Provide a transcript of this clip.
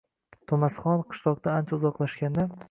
To’masxon qishloqdan ancha uzoqlashganda